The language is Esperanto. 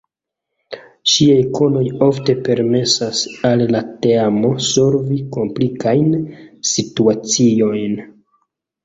Ŝiaj konoj ofte permesas al la teamo solvi komplikajn situaciojn.